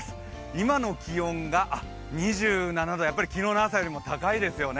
今の気温が２７度、やっぱり昨日の朝よりも高いですよね。